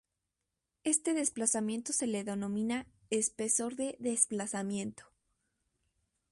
Este desplazamiento se le denomina espesor de desplazamiento.